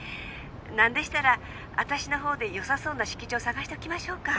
何でしたら私の方でよさそうな式場探しておきましょうか？